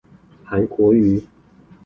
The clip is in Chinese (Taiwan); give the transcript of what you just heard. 韓國瑜